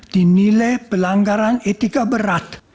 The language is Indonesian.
dan penilai pelanggaran etika berat